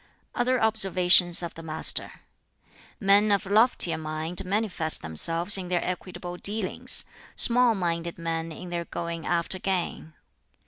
Other observations of the Master: "Men of loftier mind manifest themselves in their equitable dealings; small minded men in their going after gain.